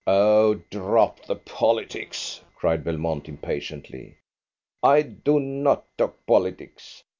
"Oh, drop the politics!" cried Belmont impatiently. "I do not talk politics.